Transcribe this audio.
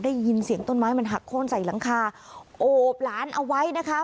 ได้ยินเสียงต้นไม้มันหักโค้นใส่หลังคาโอบหลานเอาไว้นะคะ